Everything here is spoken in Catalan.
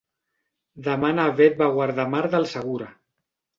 Demà na Beth va a Guardamar del Segura.